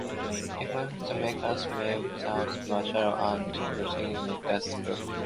If manners maketh man, then manner and grooming maketh poodle.